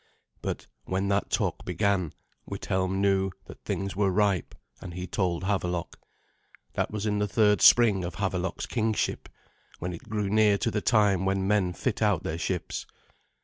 But when that talk began, Withelm knew that things were ripe, and he told Havelok. That was in the third spring of Havelok's kingship, when it grew near to the time when men fit out their ships.